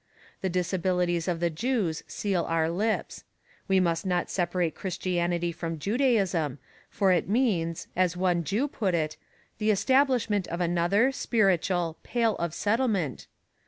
The disabilities of the Jews seal our lips. We must not separate Christianity from Judaism, for it means, as one Jew put it, the establishment of another, spiritual "Pale of Settlement."